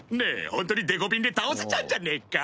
本当にデコピンで倒せちゃうんじゃねえか？